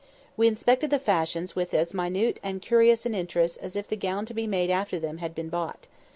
We inspected the fashions with as minute and curious an interest as if the gown to be made after them had been bought.